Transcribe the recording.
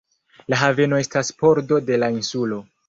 La haveno estas pordo de la insulo.